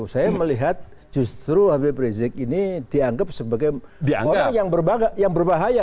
saya melihat justru habib rizik ini dianggap sebagai orang yang berbahaya